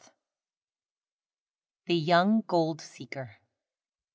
THE YOUNG GOLD SEEKER.